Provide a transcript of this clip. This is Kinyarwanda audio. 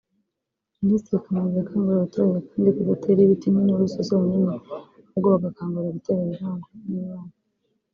Minisitiri Kamanzi yakanguriye abaturage kandi kudatera ibiti nk’inturusu zonyine ahubwo bagakangukira gutera ibivangwa n’imyaka